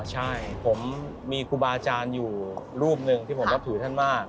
ใช่ผมมีครูบาอาจารย์อยู่รูปหนึ่งที่ผมนับถือท่านมาก